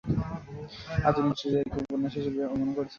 আধুনিক বিশেষজ্ঞরা একে উপন্যাস হিসেবেই অনুমান করেছেন।